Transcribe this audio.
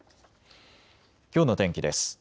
きょうの天気です。